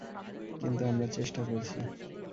কিন্তু আমরা চেষ্টা করছি।